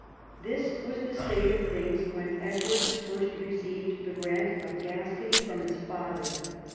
This was the state of things when Edward first re ceived the grant of Gascony from his father.